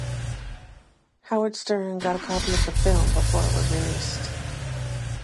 Howard Stern got a copy of the film before it was released.